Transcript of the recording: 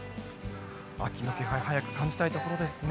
秋の気配、早く感じたいところですね。